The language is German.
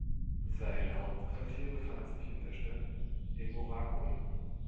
Sein Hauptquartier befand sich in der Stadt "Eboracum".